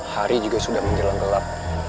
hari juga sudah menjelang gelap